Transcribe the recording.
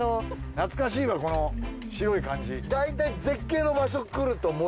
懐かしいよこの白い感じ。